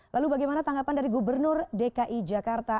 lalu bagaimana tanggapan dari gubernur dki jakarta